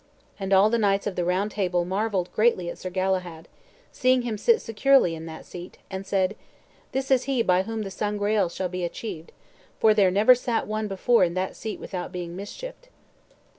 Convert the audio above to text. And all the knights of the Round Table marvelled greatly at Sir Galahad, seeing him sit securely in that seat, and said, "This is he by whom the Sangreal shall be achieved, for there never sat one before in that seat without being mischieved."